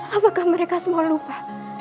apakah mereka semua lupa